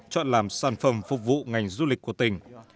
chọn làm sản phẩm phục vụ ngành du lịch của tỉnh